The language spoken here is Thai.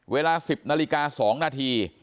เวลา๑๐นาฬิกา๒นาที